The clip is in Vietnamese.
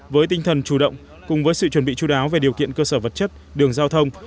với tinh thần chủ động cùng với sự chuẩn bị chú đáo về điều kiện cơ sở vật chất đường giao thông